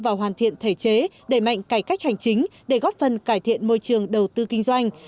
và hoàn thiện thể chế đẩy mạnh cải cách hành chính để góp phần cải thiện môi trường đầu tư kinh doanh